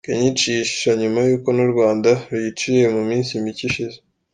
Kenya iciye Shisha nyuma y’uko n’u Rwanda ruyiciye mu minsi mike ishize.